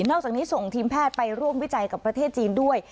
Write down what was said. อกจากนี้ส่งทีมแพทย์ไปร่วมวิจัยกับประเทศจีนด้วย